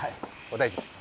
お大事に。